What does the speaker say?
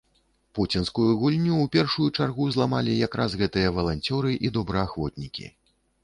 Пуцінскую гульню ў першую чаргу зламалі як раз гэтыя валанцёры і добраахвотнікі.